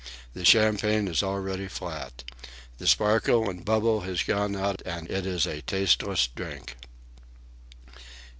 The champagne is already flat. The sparkle and bubble has gone out and it is a tasteless drink."